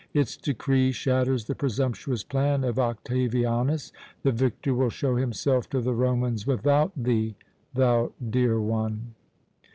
Its decree shatters the presumptuous plan of Octavianus. The victor will show himself to the Romans without thee, thou dear one."